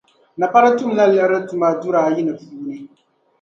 Napari tumla liɣiri tuma dur' ayi ni puuni.